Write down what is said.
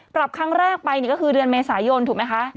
ปรับครั้งแรกไปก็คือเดือนเมษายนถูกไหมคะ